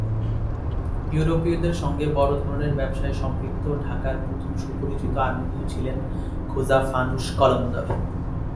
ইউরোপীদের সঙ্গে বড় ধরনের ব্যবসায়ে সম্পৃক্ত ঢাকার প্রথম সুপরিচিত আর্মেনীয় ছিলেন খোজা ফানুস কলন্দর।